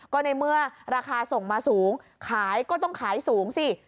ก็ในเมื่อราคาส่งมาสูงขายก็ต้องขายสูงสิ